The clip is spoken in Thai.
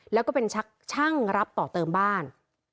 แล้วก็เป็นช่างรับต่อเติมบ้าน